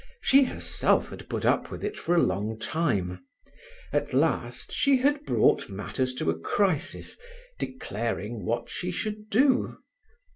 She herself had put up with it for a long time. At last she had brought matters to a crisis, declaring what she should do.